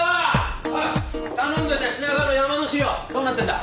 おい頼んどいた品川のヤマの資料どうなってんだ？